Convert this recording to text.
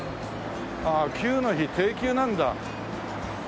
あっ９の日定休なんだ。